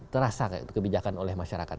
terasa kebijakan oleh masyarakat